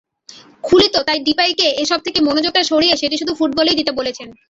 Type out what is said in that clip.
খুলিত তাই ডিপাইকে এসব থেকে মনোযোগটা সরিয়ে সেটি শুধু ফুটবলেই দিতে বলছেন।